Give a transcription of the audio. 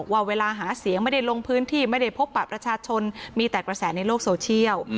ว่าเวลาหาเสียงไม่ได้ลงพื้นที่ไม่ได้พบปะประชาชนมีแต่กระแสในโลกโซเชียล